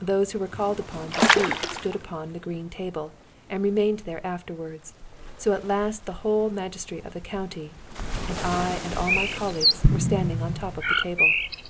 Those who were called upon to speak stood upon the green table, and remained there afterwards, so that at last the whole magistracy of the county, and I and all my colleagues were standing on the top of the table.